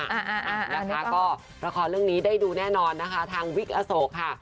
อ่านะคะก็ละครเรื่องนี้ได้ดูแน่นอนนะคะทางวิกอโศกค่ะ